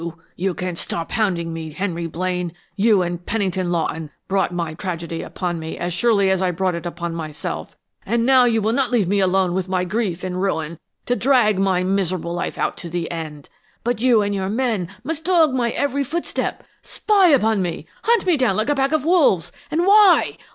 You can stop hounding me, Henry Blaine! You and Pennington Lawton brought my tragedy upon me as surely as I brought it upon myself, and now you will not leave me alone with my grief and ruin, to drag my miserable life out to the end, but you or your men must dog my every foot step, spy upon me, hunt me down like a pack of wolves! And why?